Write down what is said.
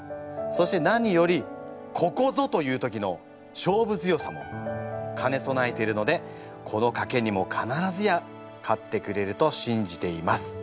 そして何よりここぞという時の勝負強さもかねそなえているのでこの賭けにも必ずや勝ってくれると信じています。